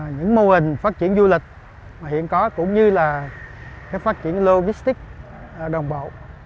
những mô hình phát triển du lịch hiện có cũng như là phát triển logistics đồng bộ